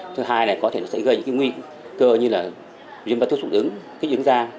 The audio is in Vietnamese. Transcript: thứ hai là có thể nó sẽ gây những nguy cơ như là viêm bắt thuốc sụn ứng kích ứng da